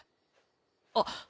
あっ。